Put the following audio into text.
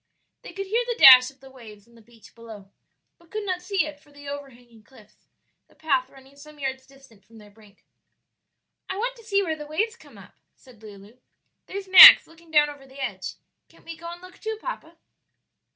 They could hear the dash of the waves on the beach below, but could not see it for the over hanging cliffs, the path running some yards distant from their brink. "I want to see where the waves come up," said Lulu; "there's Max looking down over the edge; can't we go and look too, papa?"